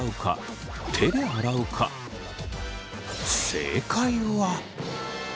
正解は。